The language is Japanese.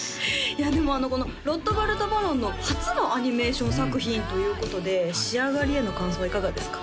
いやでもこのＲＯＴＨＢＡＲＴＢＡＲＯＮの初のアニメーション作品ということで仕上がりへの感想はいかがですか？